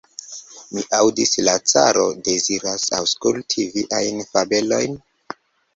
Mi aŭdis, la caro deziras aŭskulti viajn fabelojn?